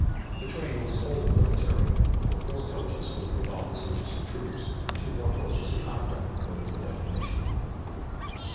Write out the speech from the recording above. The train was wholly military. There were four coaches filled with officers and troops, and two more coaches behind them loaded with ammunition.